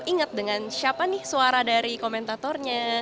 ingat dengan siapa nih suara dari komentatornya